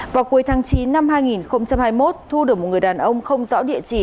vào cuối tháng chín năm hai nghìn hai mươi một thu được một người đàn ông không rõ địa chỉ